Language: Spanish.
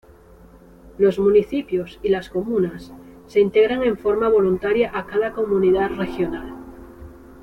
Los municipios y las comunas se integran en forma voluntaria a cada comunidad regional.